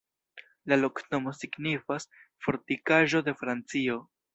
La loknomo signifas: Fortikaĵo de Francio.